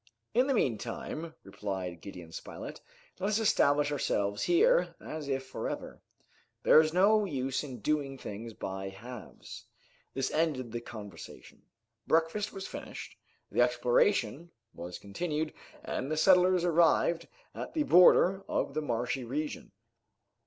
"In the meantime," replied Gideon Spilett, "let us establish ourselves here as if forever. There is no use in doing things by halves." This ended the conversation. Breakfast was finished, the exploration was continued, and the settlers arrived at the border of the marshy region.